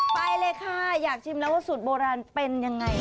ไปเลยค่ะอยากชิมแล้วว่าสูตรโบราณเป็นยังไง